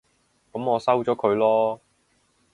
噉我收咗佢囉